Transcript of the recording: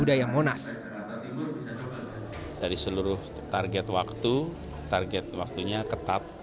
dari seluruh target waktu target waktunya ketat